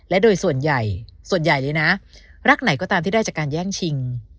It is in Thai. และโดยส่วนใหญ่ส่วนใหญ่เลยนะรักไหนก็ตามที่ได้จากการแย่งชิง